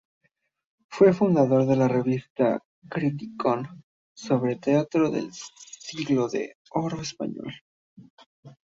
Fue fundador de la revista "Criticón" sobre teatro del Siglo de Oro español.